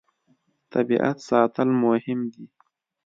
طبیعت ساتل مهم دي.